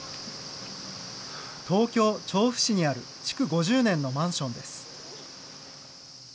東京・調布市にある築５０年のマンションです。